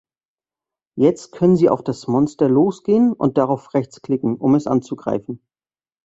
Jetzt können Sie auf das Monster losgehen und darauf rechtsklicken, um es anzugreifen.